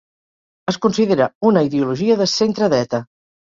Es considera una ideologia de centredreta.